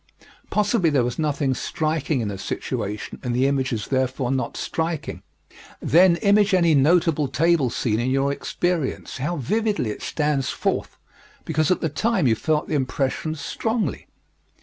Possibly there was nothing striking in the situation and the image is therefore not striking. Then image any notable table scene in your experience how vividly it stands forth, because at the time you felt the impression strongly.